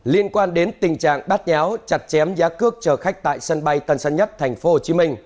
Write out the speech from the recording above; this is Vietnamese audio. liên quan đến tình trạng bát nháo chặt chém giá cước chờ khách tại sân bay tân sân nhất tp hcm